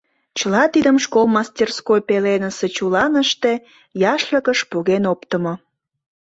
Чыла тидым школ мастерской пеленсе чуланыште яшлыкыш поген оптымо.